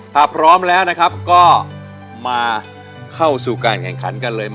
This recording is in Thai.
ถ้าพร้อมแล้วนะครับก็มาเข้าสู่การแข่งขันกันเลย